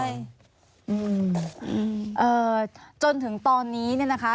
ยึนถึงตอนนี้นี่นะคะ